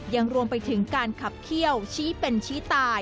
ยังรวมไปถึงการขับเขี้ยวชี้เป็นชี้ตาย